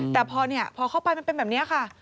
แต่พอเข้าไปมันเป็นแบบนี้ค่ะ